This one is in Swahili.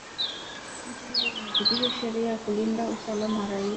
nchi hizo zimepitisha sheria ya kulinda usalama wa raia